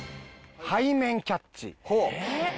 背面キャッチ。